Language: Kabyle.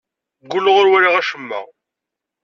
Ggulleɣ ur walaɣ acemma.